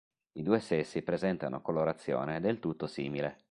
I due sessi presentano colorazione del tutto simile.